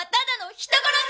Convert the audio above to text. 人殺し。